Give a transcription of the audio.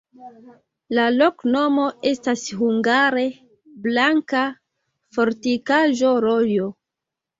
La loknomo estas hungare: blanka-fortikaĵo-rojo.